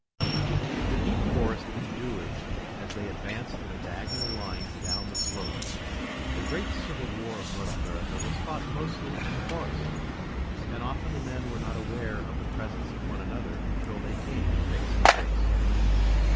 The deep forest endured as they advanced in a diagonal line down the slope. The great civil war of North America was fought mostly in the forest, and often the men were not aware of the presence of one another until they came face to face.